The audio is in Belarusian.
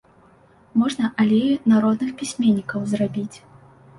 Можна алею народных пісьменнікаў зрабіць.